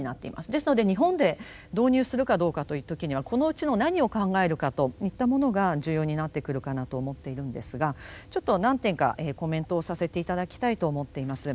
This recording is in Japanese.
ですので日本で導入するかどうかという時にはこのうちの何を考えるかといったものが重要になってくるかなと思っているんですがちょっと何点かコメントをさせて頂きたいと思っています。